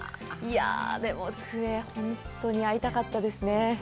でもクエ、本当に会いたかったですね。